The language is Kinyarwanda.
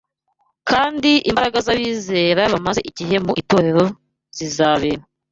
Kandi imbaraga z’abizera bamaze igihe mu itorero zizabera